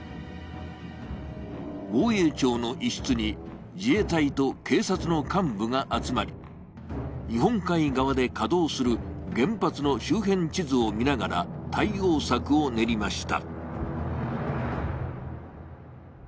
防衛庁の一室に、自衛隊と警察の幹部が集まり、日本海側で稼働する原発の周辺地図を見ながら対応策を練りました。